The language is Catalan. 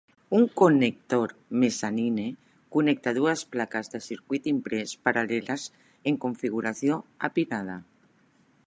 Un connector Mezzanine connecta dues plaques de circuit imprès paral·leles en configuració apilada.